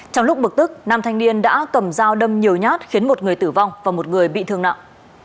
trong lúc bực tức nam thanh niên đã cầm dao đâm nhiều nhát khiến một người tử vong và một người bị thương nặng